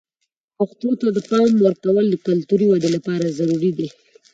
پښتو ته د پام ورکول د کلتوري ودې لپاره ضروري دي.